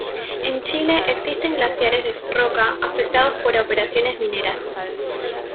En Chile existen glaciares de roca afectados por operaciones mineras.